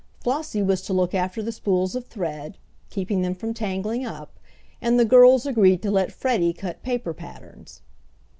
Flossie was to look after the spools of thread, keeping them from tangling up, and the girls agreed to let Freddie cut paper patterns.